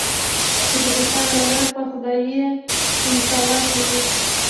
که د انسان نظر په خدايي امکاناتو وي.